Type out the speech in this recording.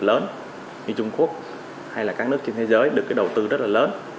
lớn như trung quốc hay là các nước trên thế giới được cái đầu tư rất là lớn